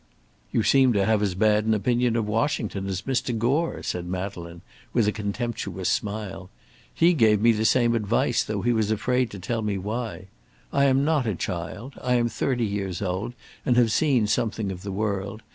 "You seem to have as bad an opinion of Washington as Mr. Gore," said Madeleine, with a contemptuous smile. "He gave me the same advice, though he was afraid to tell me why. I am not a child. I am thirty years old, and have seen something of the world.